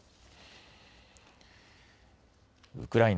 ウクライナ